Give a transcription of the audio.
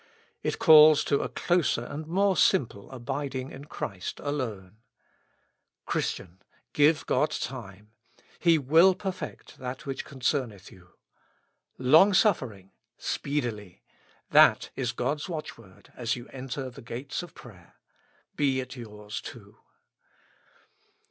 It calls to a closer and more simple abiding in Christ alone. Christian ! give God time. He will perfect that which concerneth you. " Long suflfering — speedily," this is God's watchword as you enter the gates of prayer : be it yours too.